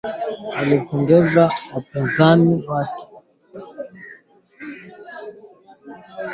Viazi lishe hutoa fursa ya kuongeza uzalishaji wa mazao ya chakula na biashara